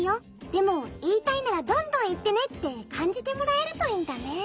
でもいいたいならどんどんいってね」ってかんじてもらえるといいんだね。